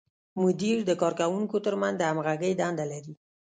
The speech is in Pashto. مدیر د کارکوونکو تر منځ د همغږۍ دنده لري.